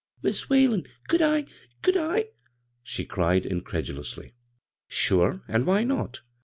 "Mis' Whalen, could I?— could I?" she cried incredulously. "Sure, an' why not?